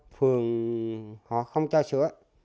phường họ không cho sửa